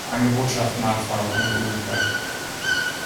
Angebot schafft Nachfrage und umgekehrt.